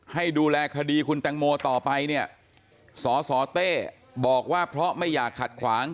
ให้ดูแลคดีคุณแตงโมต่อไปเนี่ยสสเต้บอกว่าเพราะไม่อยากขัดขวาง